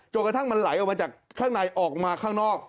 กระทั่งมันไหลออกมาจากข้างในออกมาข้างนอก